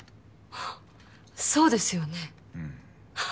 そうですよね！